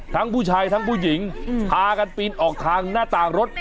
ทั้งผู้ชายทั้งผู้หญิงพากันปีนออกทางหน้าต่างรถ